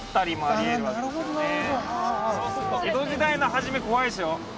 そうすると江戸時代の初め怖いですよ。